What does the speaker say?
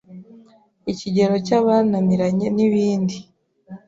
ikigero cy’abananiranye n’ibindi